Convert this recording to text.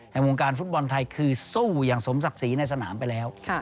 วงการฟุตบอลไทยคือสู้อย่างสมศักดิ์ศรีในสนามไปแล้ว